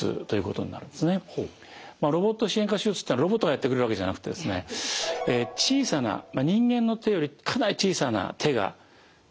ロボット支援下手術というのはロボットがやってくれるわけじゃなくて小さな人間の手よりかなり小さな手が体腔内に入ります。